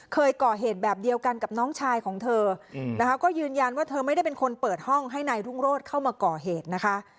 เคยก่อเหตุแบบเดียวกันกับน้องชายของเธอนะคะก็ยืนยันว่าเธอไม่ได้เป็นคนเปิดห้องให้นายรุ่งโรธเข้ามาก่อเหตุนะคะ